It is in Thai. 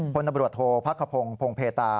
พบตรภคพงศ์พเพรตาฯ